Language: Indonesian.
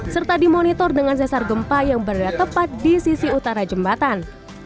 serta dimonitor dengan sesar gempa yang berada tepat di sisi utara jembatan